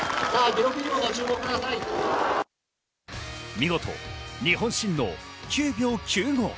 見事、日本新の９秒９５。